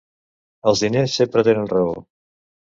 Els diners sempre tenen raó.